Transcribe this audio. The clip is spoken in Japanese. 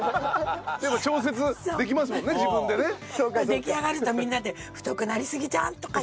出来上がるとみんなで太くなりすぎじゃんとか。